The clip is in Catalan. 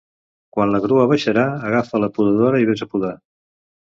Quan la grua baixarà, agafa la podadora i ves a podar.